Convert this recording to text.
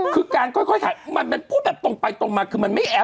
คือการค่อยถ่ายมันพูดแบบตรงไปตรงมาคือมันไม่แอป